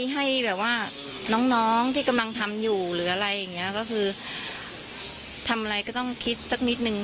ให้แบบว่าน้องน้องที่กำลังทำอยู่หรืออะไรอย่างเงี้ยก็คือทำอะไรก็ต้องคิดสักนิดนึง